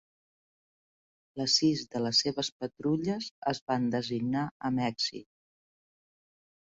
Les sis de les seves patrulles es van designar amb èxit.